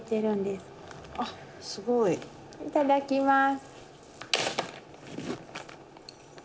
すごい。いただきます。